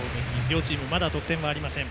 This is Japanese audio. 両チーム、まだ得点がありません。